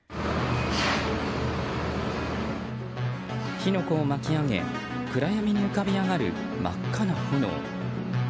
火の粉を巻き上げ暗闇に浮かび上がる真っ赤な炎。